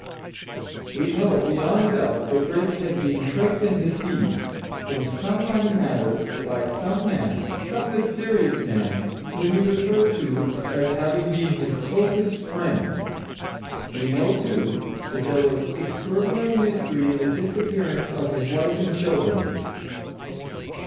We know beyond doubt that Brake had been tricked and deceived, in some money matter, by some man some mysterious man whom he referred to as having been his closest friend. We know, too, that there was extraordinary mystery in the disappearance of his wife and children.